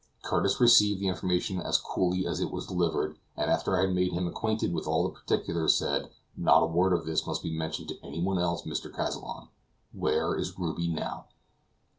Curtis received the information as coolly as it was delivered, and after I had made him acquainted with all the particulars said, "Not a word of this must be mentioned to anyone else, Mr. Kazallon. Where is Ruby, now?"